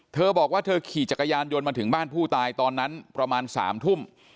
เธอบอกว่าเธอขี่จักรยานยนต์มาถึงบ้านผู้ตายตอนนั้นประมาณ๓ทุ่ม